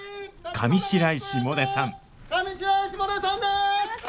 上白石萌音さんです！